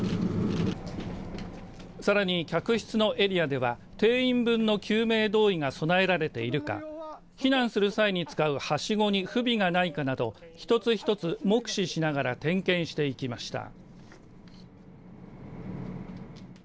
さらに客室のエリアでは全員分の救命胴衣が備えられているか避難する際に使うはしごに不備がないかなど一つ一つ、目視しながら点検していきました。